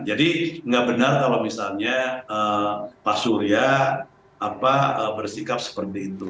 jadi enggak benar kalau misalnya pak surya bersikap seperti itu